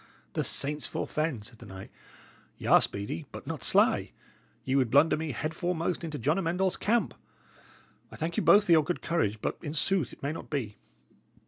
"The saints forfend!" said the knight. "Y' are speedy, but not sly. Ye would blunder me headforemost into John Amend All's camp. I thank you both for your good courage; but, in sooth, it may not be."